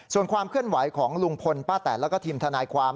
ส่วนความเคลื่อนไหวของลุงพลป้าแตนแล้วก็ทีมทนายความ